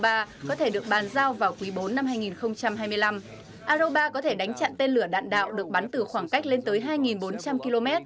aero ba có thể đánh chặn tên lửa đạn đạo được bắn từ khoảng cách lên tới hai bốn trăm linh km